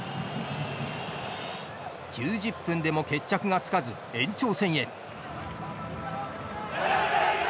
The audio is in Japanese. ９０分でも、決着がつかず延長戦へ。